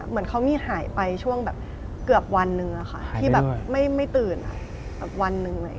เหมือนเขามีหายไปช่วงเกือบวันนึงที่ไม่ตื่น